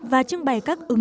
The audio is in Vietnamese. và trưng bày các ứng dụng